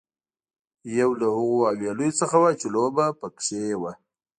یو له هغو حويليو څخه وه چې لوبه پکې وه.